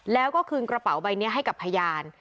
แล้วก็คืนกระเป๋าใบนี้ให้กับพยาน